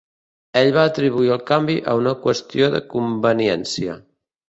Ell va atribuir el canvi a una qüestió de conveniència.